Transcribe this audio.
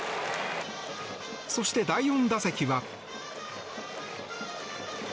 そして、第４打席は。